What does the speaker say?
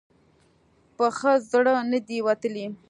په ښه زړه نه دی وتلی.